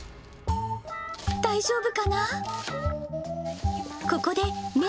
大丈夫かな？